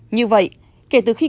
như vậy kể từ khi